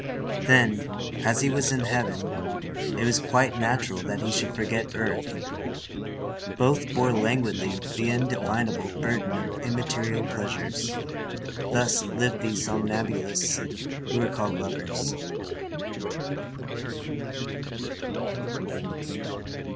Then, as he was in heaven, it was quite natural that he should forget earth. Both bore languidly the indefinable burden of immaterial pleasures. Thus lived these somnambulists who are called lovers.